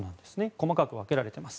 細かく分けられています。